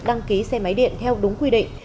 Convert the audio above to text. đăng ký xe máy điện theo đúng quy định